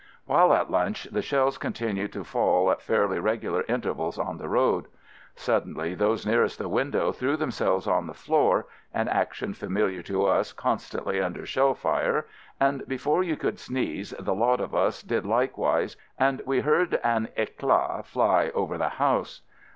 While at lunch the shells continued to fall at fairly regular intervals on the road. Suddenly those nearest the window threw themselves on the floor (an action familiar to us constantly under shell fire), and be fore you could sneeze, the lot of us did likewise, and we heard an eclat fly over the house.